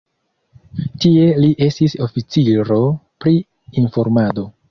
Tie li estis oficiro pri informado.